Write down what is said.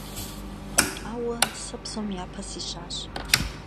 Ауэ сэ псом япэ сищащ.